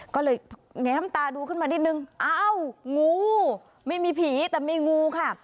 ก็เลยแง้มตาดูขึ้นมานิดนึงอ้าวงูไม่มีผีแต่มีงูค่ะ